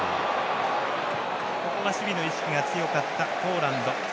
守備の意識が強かったポーランド。